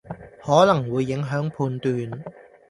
可能會影響判斷